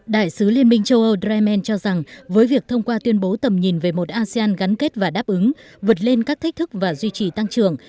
đại sứ liên minh châu âu dreisman cho rằng với việc thông qua tuyên bố tầm nhìn về một asean gắn kết và đáp ứng vượt lên các thách thức và duy trì tăng trưởng